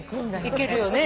いけるよね。